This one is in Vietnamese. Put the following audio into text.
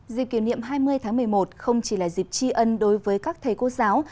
dịp kỷ niệm hai mươi tháng một mươi một không chỉ là dịp tri ân đối với các thầy cô giáo